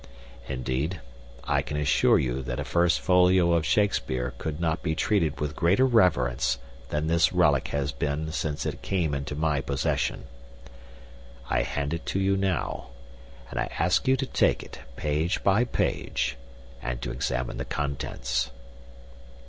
Indeed, I can assure you that a first folio of Shakespeare could not be treated with greater reverence than this relic has been since it came into my possession. I hand it to you now, and I ask you to take it page by page and to examine the contents."